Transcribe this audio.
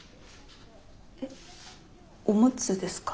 えっおむつですか？